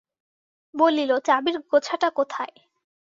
বলিল, চাবির গোছাটা কোথায়।